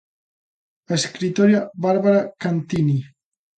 A escritora Bárbara Cantini.